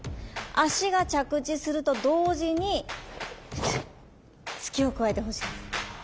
足が着地すると同時に突きを加えてほしいです。